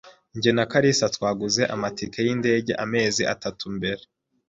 Jye na kalisa twaguze amatike yindege amezi atatu mbere.